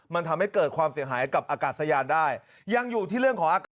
มันทำให้เกิดความเสียหายกับอากาศยานได้ยังอยู่ที่เรื่องของอากาศ